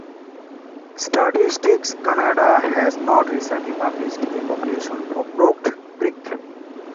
Statistics Canada has not recently published a population for Crooked Creek.